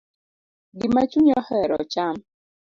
Gima chunyi ohero cham.